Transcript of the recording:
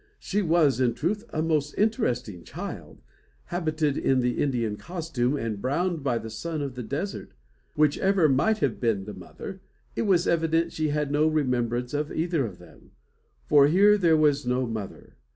She was, in truth, a most interesting child, habited in the Indian costume, and browned by the sun of the desert. Whichever might have been the mother, it was evident she had no remembrance of either of them; for here there was no mother!